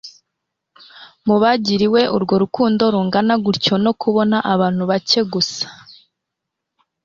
mu bagiriwe urwo rukundo rungana rutyo no kubona abantu bake gusa